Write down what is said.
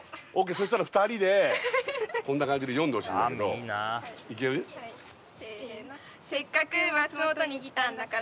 そしたら２人でこんな感じで読んでほしいんだけどいける？せーの「せっかく松本に来たんだから」